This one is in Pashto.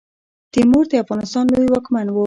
تیمور د افغانستان لوی واکمن وو.